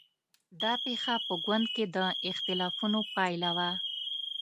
دا پېښه په ګوند کې د اختلافونو پایله وه.